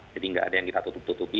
jadi tidak ada yang kita tutup tutupi